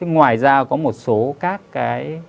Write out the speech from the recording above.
ngoài ra có một số các cái